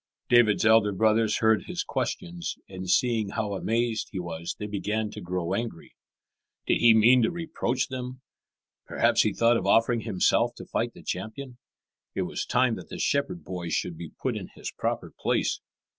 David's elder brothers heard his questions, and seeing how amazed he was, they began to grow angry. Did he mean to reproach them? Perhaps he thought of offering himself to fight the champion. It was time that this shepherd boy should be put in his proper place.